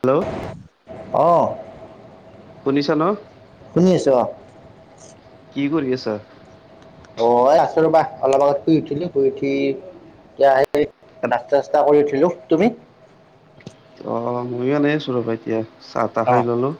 Hello অ', শুনিছ' ন'? শুনি আছোঁ অ', কি কৰি আছা? অ', এ আছোঁ ৰ'বা অলপ আগত শুই উঠিলো শুই উঠি এতিয়া সে নাস্তা চাস্তা কৰি উঠিলো তুমি? অ', ময়ো এনে আছোঁ ৰ'বা এতিয়া চাহ তাহ খাই অ' ল'লো।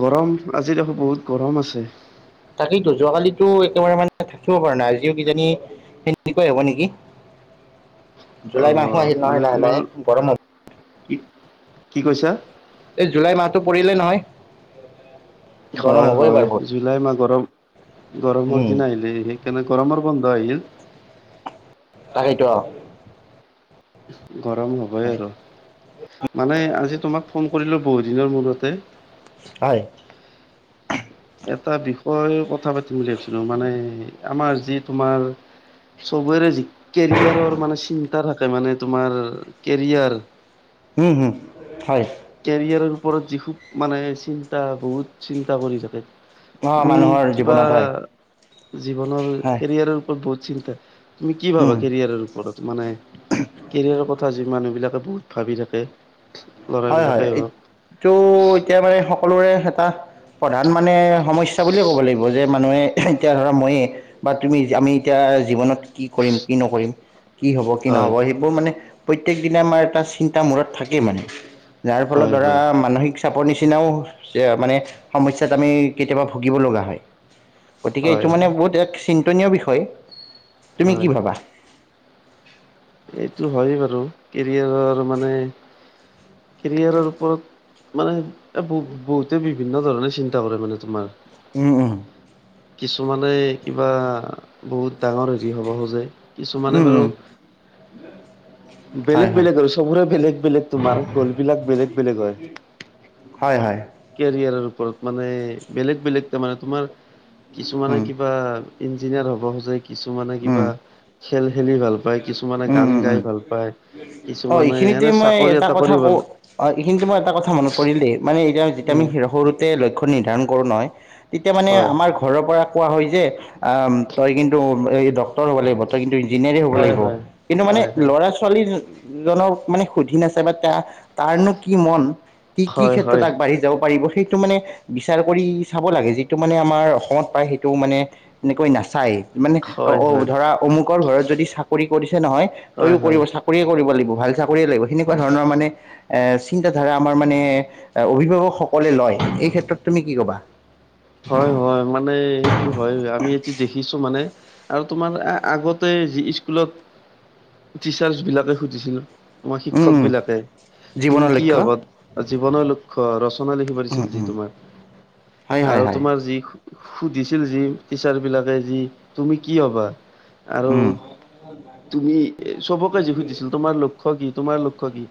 গৰম আজি দেখোন বহুত গৰম আছে। তাকেইতো যোৱাকালিতো একেবাৰে মানে থাকিব পৰা নাই আজিও কিজানি সেনেকুৱাই হব নেকি। [inaudible] অ জুলাই মাহো আহিল মানে নহয় লাহে তোমাৰ লাহে গৰম হ কি কি কৈছা? এই জুলাই মাহটো পৰিলে নহয়। গৰম হয়, হ'বই হয়, বাৰু বহুত জুলাই মাহ গৰম গৰমৰ উম, দিন আহিলে [unintelligible] কেনে গৰমৰ বন্ধ আহিল তাকেই ত' গৰম হবই আৰু মানে আজি তোমাক ফোন কৰিলোঁ বহু দিনৰ মূৰতে। হয়। এটা বিষয়ে কথা পাতিম বুলি ভাবিছিলোঁ মানে আমাৰ যি তোমাৰ চবৰে যি কেৰিয়াৰৰ মানে চিন্তা থাকে মানে তোমাৰ কেৰিয়াৰ হুম, হুম হয়। কেৰিয়াৰৰ ওপৰত যি খুব মানে চিন্তা বহুত চিন্তা কৰি থাকে। অ' তুমি মানুহৰ কিবা জীৱনত হয়, জীৱনৰ হয়, কেৰিয়াৰৰ ওপৰত বহুত চিন্তা তুমি কি ভাবা উম। কেৰিয়াৰৰ ওপৰত মানে কেৰিয়াৰৰ কথা যি মানুহ বিলাকে বহুত ভাবি থাকে। হয়, ল'ৰাবিলাকে হয়, হওক এইটো এতিয়া মানে সকলোৰে এটা প্ৰধান মানে সমস্যা বুলিয়ে ক'ব লাগিব যে মানুহে এতিয়া ধৰা মইয়ে বা তুমি আমি এতিয়া জীৱনত কি কৰিম কি নকৰিম কি হ'ব, কি হয় নহ'ব সেইবোৰ মানে প্ৰত্যেক দিনে আমাৰ এটা চিন্তা মূৰত থাকেই মানে। যাৰ ফলত হয় ধৰা হয় মানসিক চাপৰ নিচিনাও মানে সমস্যাত আমি কেতিয়াবা ভুগিব লগা হয়। গতিকে এইটো হয় মানে বহুত এক চিন্তনীয় বিষয় তুমি কি হয় ভাবা? এইটো হয়, বাৰু কেৰিয়াৰৰ মানে কেৰিয়াৰৰ ওপৰত মানে বহু বহুতে বিভিন্ন ধৰণে চিন্তা কৰে মানে তোমাৰ। উম, উম। কিছুমানে কিবা বহুত ডাঙৰ হেৰি হ'ব খোজে উম কিছুমানে উম বাৰু [inaudible] হয় বেলেগ হয় বেলেগ আৰু চবৰে বেলেগ বেলেগ তোমাৰ গ'ল বিলাক বেলেগ বেলেগ হয়। হয়, হয়। কেৰিয়াৰৰ ওপৰত মানে বেলেগ বেলেগ তাৰমানে তোমাৰ কিছুমানে উম কি বা ইঞ্জিনিয়াৰ হ'ব খোজে কিছুমানে উম কিবা খেল খেলি ভাল পায়। কিছুমানে উম গান উম উম গাই ভাল পায় অ', কিছুমানে এইখিনিতে এনে মই চাকৰি এটা কথা কৰি ভাল কওঁ অ', এইখিনিতে মই এটা কথা মনত পৰিল দেই মানে এতিয়া যেতিয়া আমি সৰু তে লক্ষ্য নিৰ্ধাৰণ কৰো নহয় তেতিয়া মানে হয় আমাৰ ঘৰৰ পৰা কোৱা হয়, যে আহ তই কিন্তু এই ডক্টৰ হ'ব লাগিব তই কিন্তু ইঞ্জিনিয়াৰে হ'ব হয় লাগিব হয় কিন্তু মানে হয় হয় লৰা ছোৱালী জনক মানে সুধিন নাচাই বা তাৰনো কি মন কি কি হয় হয় ক্ষেত্ৰত হয় আগবাঢ়ি যাব পাৰিব। সেইটো মানে বিচাৰ কৰি চাব লাগে। যিটো মানে আমাৰ অসমত প্ৰায় সেইটো মানে এনেকৈ নাচায়। মানে অ', হয় হয় অ', ধৰা অমুকৰ ঘৰত যদি চাকৰি কৰিছে নহয় তইও হয় হয় কৰিব চা কৰিয়ে কৰিব লাগিব ভাল চাকৰিয়ে লাগিব। সেনেকুৱা ধৰণৰ মানে চিন্তাধাৰা আমাৰ মানে অভিভাৱকসকলে লয়, এই ক্ষেত্ৰত তুমি কি কবা? হয় হয় মানে। এইটো হয় আমি এইটো দেখিছোঁ মানে আৰু তোমাৰ আগতে যি স্কুলত টিচাৰ্ছ বিলাকে সুধিছিল। মই উম শিক্ষক উম বিলাকে তুমি জীৱনৰ কি লক্ষ্য হবা জীৱনৰ লক্ষ্য ৰচনা লিখা উম কৰিছিল যি উম তোমাৰ হয় হয় আৰু হয় তোমাৰ যি সুধিছিল যি টিচাৰ্ছ বিলাকে যি তুমি কি হবা? আৰু উম তুমি চবকে যি সুধিছিল তোমাৰ লক্ষ্য কি তোমাৰ লক্ষ্য কি?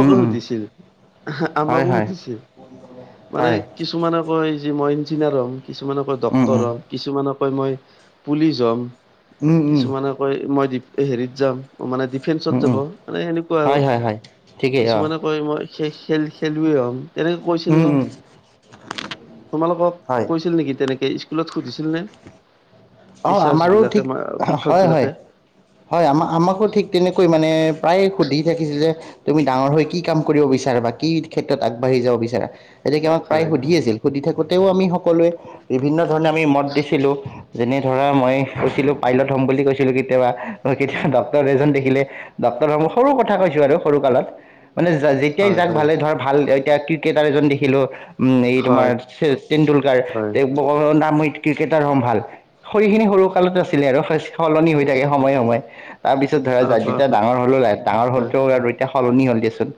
উম উম সুধিছিল, হয় আমাকো হয় সুধিছিল মানে হয় কিছুমানে কয় মই ইঞ্জিনিয়াৰ হ'ম, কিছুমানে কয় উম ডক্তৰ উম হ'ম, কিছুমানে কয় মই পুলিচ হ'ম। উম উম কিছুমানে কয় মই দীপ হেৰিত যাম। মানে ডিফেন্সত উম যাব উম মানে সেনেকুৱা আৰু হয় হয় হয় ঠিকেই অঁ কিছুমানে কয় মই খ খেল খেলুৱৈ হ'ম তেনেকে কৈছিল উম নহয়। উম তোমালোকক হয় কৈছিল নেকি তেনেকে স্কুলত সুধিছিলনে? অ টিচাৰ্চ আমাৰো বিলাকে ঠিক আমাৰ শিক্ষক হয় হয় বিলাকে। হয় অমা আমাকো ঠিক তেনেকৈ মানে প্ৰায়েই সুধি থাকিছিলে। তুমি ডাঙৰ হৈ কি কাম কৰিব বিচাৰা বা কি ক্ষেত্ৰত আগবাঢ়ি যাব বিচাৰা? গতিকে আমাক প্ৰায়েই হয় সুধি আছিল সুধি থাকোঁতেও আমি সকলোৱে বিভিন্ন ধৰণে আমি মত দিছিলোঁ। যেনে ধৰা মই কৈছিলোঁ পাইলট হ'ম বুলি কৈছিলোঁ কেতিয়াবা। কেতিয়াবা ডক্টৰ এজন দেখিলে ডক্টৰ হম সৰু কথা কৈছোঁ আৰু সৰু কালত। মানে যা যেতিয়াই হয় যাক হয় ভালে ধৰ ভাল এতিয়া ক্ৰিকেটাৰ এজন দেখিলোঁ। উম এই তোমাৰ হয় শচিন তেণ্ডুলকাৰ হয় তেওঁ লোকৰ নাম মই ক্ৰিকেটাৰ হম ভাল। সই খিনি সৰু কালত আছিলে আৰু সলনি হৈ থাকে সময়ে সময়ে তাৰপিছত ধৰা যা হয় হয় যেতিয়া ডাঙৰ হলো ডাঙৰ হ'লোতো আৰু এতিয়া সলনি হ'ল দিয়াচোন।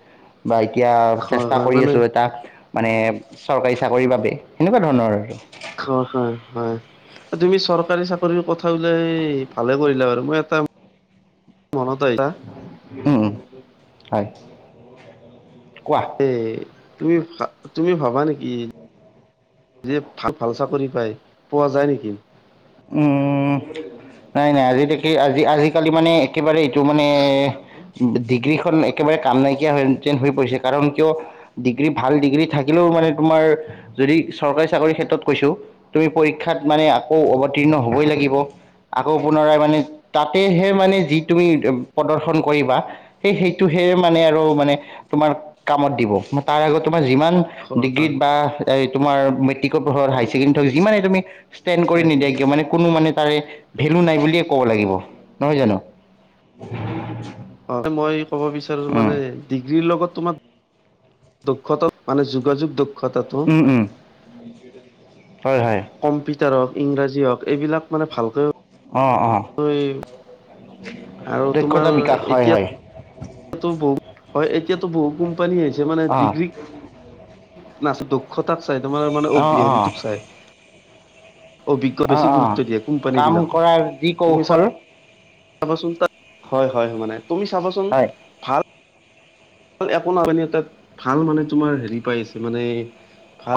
তাৰপৰা এতিয়া হয় চেষ্টা হয় কৰি মানে আছোঁ এটাত মানে চৰকাৰী চাকৰিৰ বাবে সেনেকুৱা ধৰণৰ। হয়ঁ হয়ঁ হয়ঁ তুমি চৰকাৰী চাকৰি কথা ওলায় ভালে কৰিলা বাৰু মই এটা- মনত এইটা- উঁম উমঁ হয় কোৱা? এ তুমি তুমি ভাবা নেকি? যে ভাল ভাল চাকৰি পায় পোৱা যায় নেকি? উমঁ উমঁ উমঁ নাই নাই আজি দে আজি আজিকালি মানে একেবাৰে- টো মানে ডিগ্ৰীখন একেবাৰে কাম নাইকিয়া হৈন হৈ পৰিছে কাৰণ কিয়? ডিগ্ৰী ভাল ডিগ্ৰী থাকিলেও মানে তোমাৰ যদি চৰকাৰী চাকৰি ক্ষেত্ৰত কৈছোঁ। তুমি পৰীক্ষাত মানে আকৌ অৱতীৰ্ণ হবই লাগিব। আকৌ পুনৰাই মানে তাতেহে মানে যি তুমি প্ৰদৰ্শন কৰিবা। সেই সেইটোহে মানে আৰু মানে তোমাৰ কামত দিব তাৰ আগত তোমাৰ যিমান- হয় হয় ডিগ্ৰীত বা তোমাৰ মেট্ৰিকৰ পঢ়ৰ হাই ছেকেণ্ডেী হওঁক যিমানে তুমি ষ্টেণ্ড কৰি নিদিয়- হয়। কিয় মানে কোনো মানে তাৰে ভেলু নাই বুলিয়ে কব লাগিব নহয় জানো? অঁ মই ক'ব বিচাৰো উম মানে ডিগ্ৰীৰ লগত তোমাক - দক্ষত মানে যোগাযোগ দক্ষ- উমঁ উমঁ হয় হয়। কম্পিউটাৰ হওঁক ইংৰাজী হওঁক এইবিলাক মানে ভালকৈ- অঁ অঁ আৰু তোমাৰ দক্ষতা বিকাশ হঁয় হয়ঁ। এতিয়াতো বহু হয় এতিয়াতো বহুত কোম্পানী আহিছে মানে অঁ ডিগ্ৰী- না দক্ষতাক চাই তোমাৰ মানে অঁ অবি অঁ হেৰিটোক চাই অভিজ্ঞ অঁ বেছি অঁ গুৰুত্ব দিয়ে কোম্পানী কাম বিলাকক কৰাৰ যি কৌশল- চাবচোন তাত হয় হয় মানে তুমি চাবাচোন- হয় ভাল একো নপানী এটাত ভাল মানে তোমাৰ হেৰি পাই আছে মানে-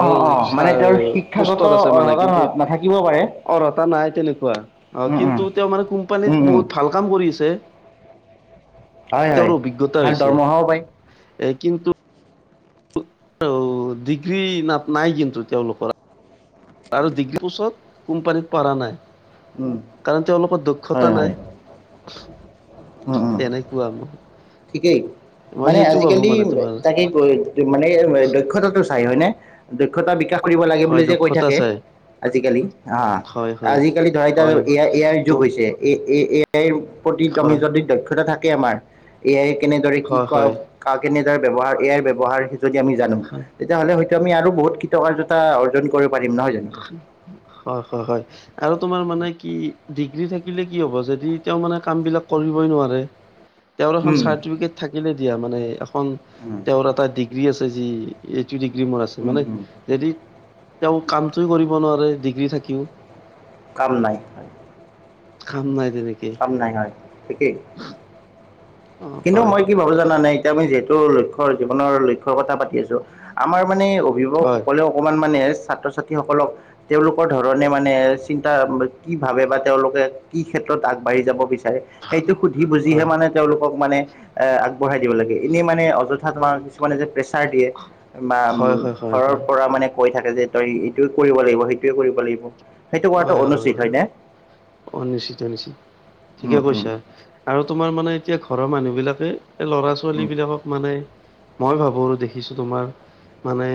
অ অ চা মানে তেওঁৰ শিক্ষাগত পুষ্টত আছে মানে অৰ্হতা না কিন্তু নাথাকিব পাৰে অৰ্হতা নাই তেনেকুৱা। অঁ উম উম কিন্তু তেওঁ মানে কোম্পানীত উম উম বহুত ভাল কাম কৰিছে। তেওঁৰ অভিজ্ঞতা হৈছে। অঁ বাইক। এ কিন্তু। ডিগ্ৰী নাত নাই কিন্তু তেওঁলোকৰ। আৰু ডিগ্ৰী পোছত কোম্পানীত পৰা নাই। উম কাৰণ তেওঁ লোকৰ হয় দক্ষতা হয় নাই। উম উম তেনেকুৱা। ঠিকেই। মই মানে সেইটো ভাবো আজিকালি মানে তোমাৰ তাকে প্ৰয় মানে দক্ষতাটো চাই হয় নে। দক্ষতা বিকাশ কৰিব লাগে বুলি হয় যে কৈ দক্ষতা থাকে। চাই আজিকালি আ হয় হয় আজিকালি ধৰা এতিয়া হয় এআই এআইৰ ত যুগ হৈছে। এ এ এআইৰ প্ৰতি আমি হয় যদি দক্ষতা থাকে আমাৰ। এ আই কেনেদৰে কি হয় হয় কৰে কাৰ কেনেদৰে ব্যৱহাৰ এ আইৰ ব্যৱহাৰ যদি আমি জানো। ভাল। তেতিয়াহ'লে হয়তো আমি আৰু বহুত কৃতকাৰ্যতা অৰ্জন কৰিব পাৰিম নহয় জানো। হয়ঁ হয়ঁ হয়ঁ। আৰু তোমাৰ মানে কি ডিগ্ৰী থাকিলে কি হ'ব যদি তেওঁ মানে কাম বিলাক কৰিবই নোৱাৰে। [inaudible] তেওঁৰ এখন উম চাৰ্টিফিকেট থাকিলে দিয়া মানে এখন উম তেওঁৰ এটা ডিগ্ৰী আছে যি। এইটো ডিগ্ৰী মোৰ আছে উম মানে উম যদি তেওঁ কামটোৱে কৰিব নোৱাৰে ডিগ্ৰী থাকিও। কাম নাই। কাম নাই তেনেকে। কাম নাই হয়, ঠিকেই অ কিন্তু হয় মই কি ভাবো জানা নে। এতিয়া আমি যিহেতু লক্ষ্যৰ জীৱনৰ লক্ষ্যৰ কথা পাতি আছো আমাৰ মানে অভিভাৱক হয় সকলেও। অকণমান মানে ছাত্ৰ-ছাত্ৰীসকলক। তেওঁলোকৰ ধৰণে মানে চিন্তা কি ভাবে বা তেওঁলোকে কি ক্ষেত্ৰ। ক্ষেত্ৰত আগবাঢ়ি যাব বিচাৰে সেইটো সুধি বুজিহে মানে। তেওঁলোকক মানে এ আগবঢ়াই দিব লাগে এনে মানে অযথা তোমাৰ কিছুমানে যে প্ৰেছ। প্ৰেচাৰ‌ দিয়ে বা হয় হয় হয় হয় ঘৰৰ পৰা মানে। কৈ থাকে যে তই এইটোয়ে কৰিব লাগিব সেইটোৱে কৰিব লাগিব সেইটো কৰাটো অনুচিত হয় নে। অ' নিশ্চিত নিশ্চিত উম ঠিকে উম কৈছা। আৰু তোমাৰ মানে এতিয়া ঘৰৰ মানুহ বিলাকে ল'ৰা-ছোৱালী উম বিলাকক মানে। মই ভাবো আৰু দেখিছো তোমাৰ। মানে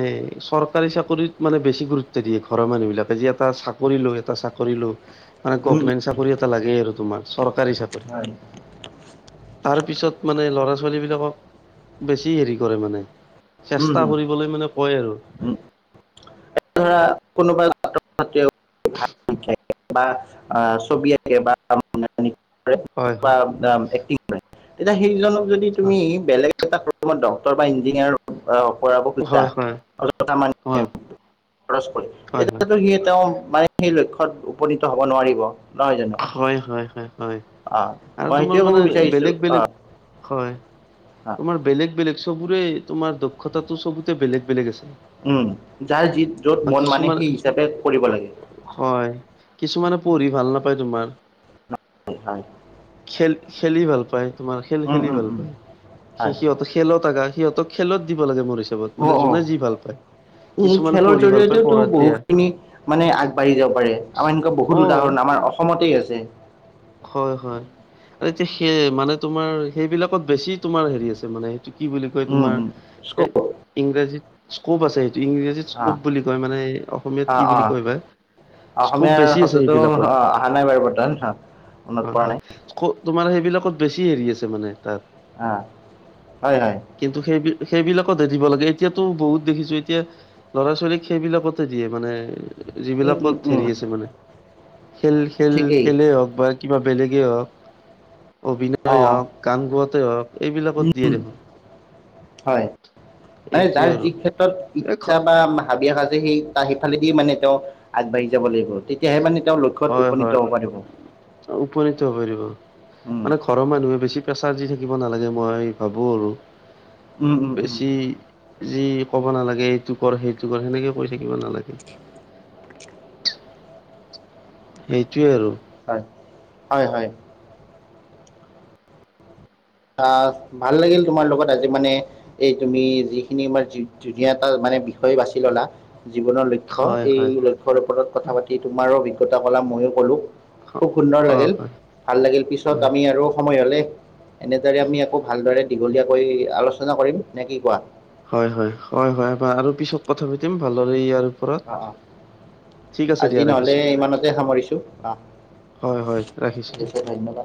চৰকাৰী চাকৰিত মানে বেছি গুৰুত্ব দিয়ে ঘৰৰ মানুহ বিলাকে যে এটা চাক। চাকৰি লৌ এটা চাকৰি লৌ মানে উম গভমেন্ট চাকৰি এটা লাগে আৰু তোমাৰ চৰকাৰী চাকৰি। হয়। তাৰ পিছত মানে ল'ৰা-ছোৱালী বিলাকক। বেছি হেৰি কৰে মানে। উম চেষ্টা হুম কৰিবলৈ মানে কয় আৰু হুম উম এ ধৰা কোনোবা ছাত্ৰ-ছাত্ৰীয়ে। এ এ বা ছবি আঁকে বা নাটনি কৰে হয় বা হয় একটিং কৰে। বে তেতিয়া সেইজনক যদি তুমি বেলেগ এটা পঢ়োৱা ডক্টৰ বা ইঞ্জিনিয়াৰ। অ অকৰাব খুজা হয় হয় অলপ টকা মান। হয় খৰচ কৰে হয় হয় তেতিয়াতো সি তেওঁ মানে সেই লক্ষ্যত উপনীত হব নোৱাৰিব নহয় জানো। হয় হয় হয় হয় আহ, আৰু মই তোমাৰ সেইটোৱে ক'ব মানে বিচাৰিছোঁ বেলেগ বেলেগ আহ, হয়। আহ, তোমাৰ বেলেগ বেলেগ চবৰে তোমাৰ দক্ষতাটো চবতে বেলেগ বেলেগ আছে। উম যাৰ যি য'ত মন মানে কিছুমান সেই হিচাপে কৰিব লাগে। হয় কিছুমানে পঢ়ি ভাল নাপায় তোমাৰ। কি হয়। খে খেলি ভাল পায় তোমাৰ খেল উম, খেলি উম, ভাল উম, পায় সি হয় সিহঁত খেলত আকা সিহঁতক খেলত দিব লাগে মোৰ হিচাপত মানে অ' অ' যোনে যি ভাল পায়। উম, কিছুমানে খেলৰ পঢ়ি ভাল পায় জৰি়য়তেওতো পঢ়াত দিয়া বহুতখিনি মানে আগবাঢ়ি যাব পাৰে আমাৰ এনেকুৱা অ বহুত উদাহৰণ আমাৰ অসমতেই আছে। হয়, হয় আৰু এতিয়া সেই মানে তোমাৰ সেইবিলাকত বেছি তোমাৰ হেৰি আছে মানে সটো কি বুলি কয় উম তোমাৰ উম হে স্কপ ইংৰাজিত সস্কোব আছে সেইটো ইংৰাজীত অ স্কোপ বুলি কয় মানে অসমীয়াত অ কি অ বুলি কয় বা স্কোপ বেছি আছে সেইবিলাপত। আনাই বাৰু পটান হাফ। হয়, হয় ক তোমাৰ সেইবিলাকত বেছি হেৰি আছে মানে তাত। আ, হয়, হয়। কিন্তু সেই সেইবিলাকতে দিব লাগে এতিয়াতো বহুত দেখিছো এতিয়া ল'ৰা ছোৱালীক সেইবিলাকতে দিয়ে মানে এ এ উম উম যিবিলাকত উম হেৰি আছে মানে খেল খেল ঠিকেই খেলেই হওক বা কিবা বেলেগেই হওক অ অভিনয় হওঁক গান গোৱাতে হওক। এইবিলাকত দিয়ে দেখোন। হয় মানে এইটোৱে যাৰ আৰু যি ক্ষেত্ৰত এই ইচ্ছা ঘ- বা মা। ভাবি আহা যে সেই তাৰ সেইফালেদিয়ে মানে তেওঁ আগবাঢ়ি যাব লাগিব তেতিয়াহে মানে তেওঁ ল- হয় হয়, উপনীত হব পাৰিব। উম মানে ঘৰৰ মানুহে বেছি প্ৰেছাৰ দি থাকিব নালাগে মই ভাবোঁ আৰু, উম উম উম বেছি যি ক'ব নালাগে এইটো কৰ সেইটো কৰ সেনেকে কৈ থাকিব নালাগে। সেইটোৱে আৰু। হয়, হয়, হয়। আহ ভাল লাগিল তোমাৰ লগত আজি মানে এই তুমি যিখিনি আমাৰ ধুনীয়া এটা মানে বিষয় বাছি ললা, জীৱনৰ ল- ক্ষ্য, হয়, এই হয়। লক্ষ্যৰ ওপৰত কথা পাতি তোমাৰো অভিজ্ঞতা কলা মইয়ো কলো হ খুব সুন্দৰ অ', লাগিল হয়, ভাল লাগিল পিছত হয়। আমি আৰু সময় হলে এনেদৰে আমি আকৌ ভালদৰে দীঘলীয়াকৈ আলোচনা কৰিম, নে কি কোৱা? হয়, হয়, হয়, হয় আৰু পিছত কথা পাতিম ভালদৰে এইয়াৰ অ', অ', আজি নহলে ৰাখিছোঁ। ইমানতে সামৰিছো অ'। হয়, হয় ৰাখিছো ঠিক দিয়া। আছে ধন্যবাদ